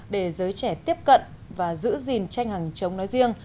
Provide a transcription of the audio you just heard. để giới trẻ tiếp cận và giữ gìn tranh hàng chống nói riêng